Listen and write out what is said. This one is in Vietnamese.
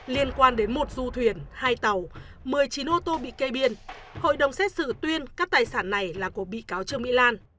liên quan đến một du thuyền hai tàu một mươi chín ô tô bị kê biên hội đồng xét xử tuyên các tài sản này là của bị cáo trương mỹ lan